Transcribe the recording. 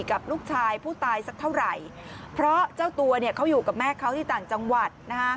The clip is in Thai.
กับลูกชายผู้ตายสักเท่าไหร่เพราะเจ้าตัวเนี่ยเขาอยู่กับแม่เขาที่ต่างจังหวัดนะฮะ